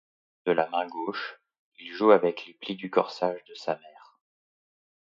De la main gauche, il joue avec les plis du corsage de sa mère.